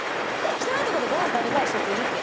汚いとこでご飯食べたい人っているっけ？